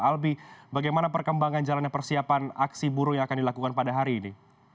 albi bagaimana perkembangan jalannya persiapan aksi buruh yang akan dilakukan pada hari ini